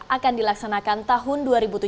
akan dilaksanakan tahun dua ribu tujuh belas